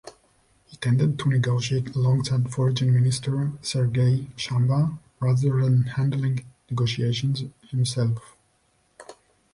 He tended to negotiate alongside foreign minister Sergei Shamba, rather than handling negotiations himself.